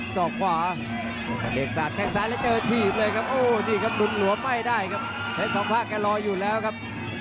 แทงไปก่อขวาครับ